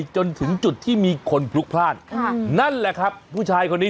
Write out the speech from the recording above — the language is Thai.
จึงยอมขับปราสาทออกไป